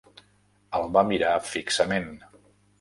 El va mirar fixament.